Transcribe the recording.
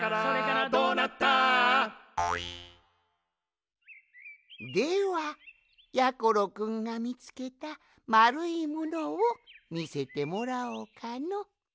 「どうなった？」ではやころくんがみつけたまるいものをみせてもらおうかの。